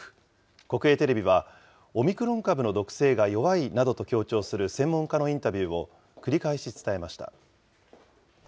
国営テレビは、オミクロン株の毒性が弱いなどと強調する専門家のインタビューを、繰り返し伝えました。